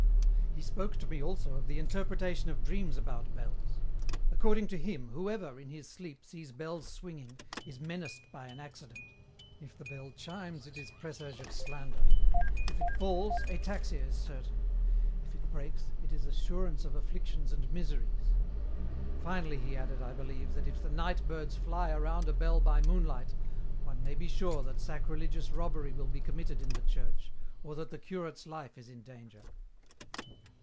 "He spoke to me also of the interpretation of dreams about bells. According to him, whoever, in his sleep, sees bells swinging, is menaced by an accident; if the bell chimes, it is presage of slander; if it falls, ataxia is certain; if it breaks, it is assurance of afflictions and miseries. Finally he added, I believe, that if the night birds fly around a bell by moonlight one may be sure that sacrilegious robbery will be committed in the church, or that the curate's life is in danger.